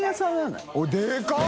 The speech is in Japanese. でかい！